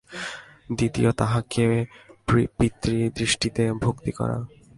দ্বিতীয় তাঁহাকে পিতৃদৃষ্টিতে ভক্তি করা।